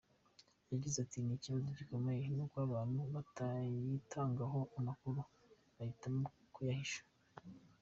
Yagize ati “Ikibazo gikomeye, ni uko abantu batayitangaho amakuru, bahitamo kuyahisha.